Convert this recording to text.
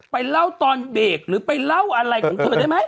ไปเล่าตอนเบรกหรือไปเล่าอะไรของเธอได้ไหม